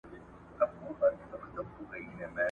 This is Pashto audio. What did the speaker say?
خو زما په عقیده `